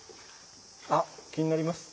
あ気になります？